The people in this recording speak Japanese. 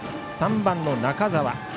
３番、中澤。